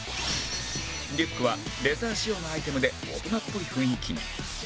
リュックはレザー仕様のアイテムで大人っぽい雰囲気に